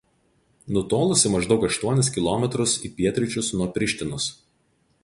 Nutolusi maždaug aštuonis kilometrus į pietryčius nuo Prištinos.